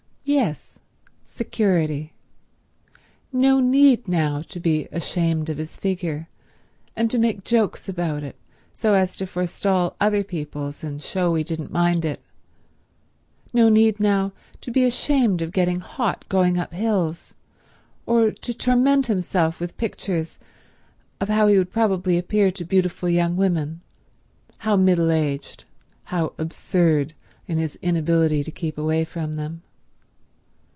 Yes; security. No need now to be ashamed of his figure, and to make jokes about it so as to forestall other people's and show he didn't mind it; no need now to be ashamed of getting hot going up hills, or to torment himself with pictures of how he probably appeared to beautiful young women—how middle aged, how absurd in his inability to keep away from them.